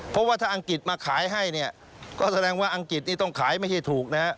เพราะว่าถ้าอังกฤษมาขายให้เนี่ยก็แสดงว่าอังกฤษนี่ต้องขายไม่ใช่ถูกนะฮะ